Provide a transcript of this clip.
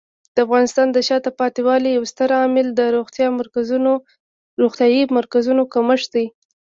د افغانستان د شاته پاتې والي یو ستر عامل د روغتیايي مرکزونو کمښت دی.